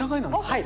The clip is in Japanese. はい。